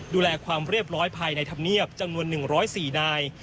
ดูแลความเรียบร้อยภายในธรรมเนียบจำนวน๑๐๔นาย